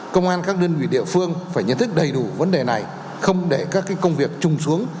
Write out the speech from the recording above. công an các đơn vị địa phương phải nhận thức đầy đủ vấn đề này không để các công việc chung xuống